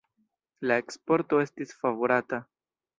La eksporto estis favorata.